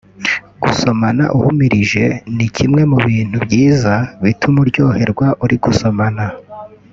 Gusomana uhumirije ni kimwe mu bintu byiza bituma uryoherwa uri gusomana